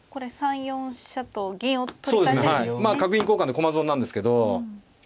まあ角銀交換で駒損なんですけど。